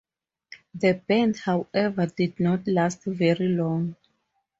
The band however did not last very long.